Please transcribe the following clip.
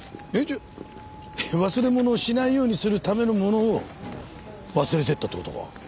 じゃあ忘れ物をしないようにするための物を忘れていったって事か？